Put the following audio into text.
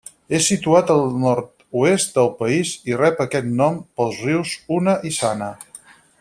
És situat al nord-oest del país i rep aquest nom pels rius Una i Sana.